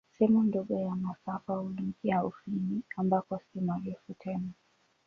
Sehemu ndogo ya masafa huingia Ufini, ambako si marefu tena.